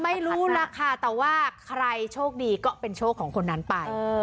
ไม่รู้ล่ะค่ะแต่ว่าใครโชคดีก็เป็นโชคของคนนั้นไป